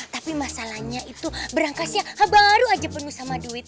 tapi masalahnya itu berangkasnya baru aja penuh sama duit